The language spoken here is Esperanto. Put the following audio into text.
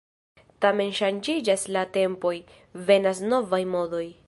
Tamen ŝanĝiĝas la tempoj, venas novaj modoj.